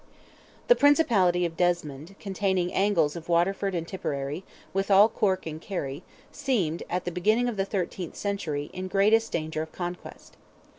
The principality of Desmond, containing angles of Waterford and Tipperary, with all Cork and Kerry, seemed at the beginning of the thirteenth century in greatest danger of conquest.